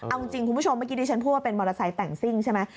เอาจริงคุณผู้ชมเมื่อกี้ที่ฉันพูดว่าเป็นมอเตอร์ไซค์แต่งซิ่งใช่ไหม